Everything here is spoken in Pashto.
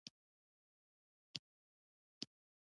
قیاسي سمون څلور پړاوونه لري.